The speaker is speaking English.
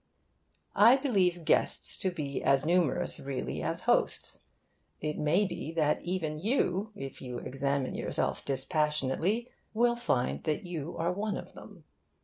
I believe guests to be as numerous, really, as hosts. It may be that even you, if you examine yourself dispassionately, will find that you are one of them.